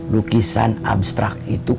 lukisan abstrak itu